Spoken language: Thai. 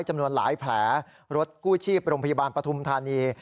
จำนวนหลายแผลรถกู้ชีพโรงพยาบาลปฐุมธานี